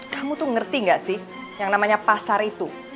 kamu tuh ngerti gak sih yang namanya pasar itu